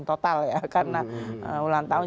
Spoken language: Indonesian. total ya karena ulang tahun